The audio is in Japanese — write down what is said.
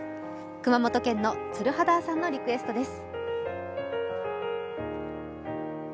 熊本県のつるはだーさんのリクエストです。